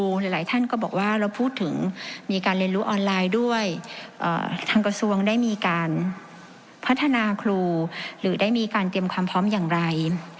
หลายท่านก็บอกว่าเราพูดถึงมีการเรียนรู้ออนไลน์ด้วยทางกระทรวงได้มีการพัฒนาครูหรือได้มีการเตรียมความพร้อมอย่างไร